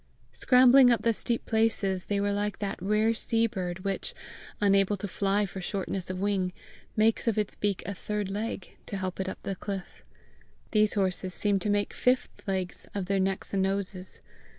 Scrambling up the steep places they were like that rare sea bird which, unable to fly for shortness of wing, makes of its beak a third leg, to help it up the cliff: these horses seemed to make fifth legs of their necks and noses.